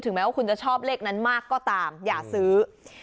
แม้ว่าคุณจะชอบเลขนั้นมากก็ตามอย่าซื้อ